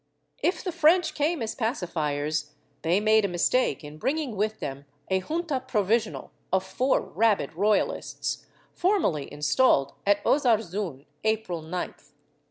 ^ If the French came as pacifiers, they made a mistake in bringing with them a Junta Provisional of four rabid royalists, formally installed at Ozarzun, April 9th.